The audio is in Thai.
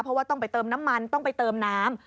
เพราะว่าต้องไปเติมน้ำมันต้องไปเติมน้ำ